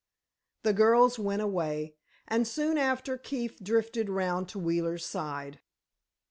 The girls went away, and soon after Keefe drifted round to Wheeler's side.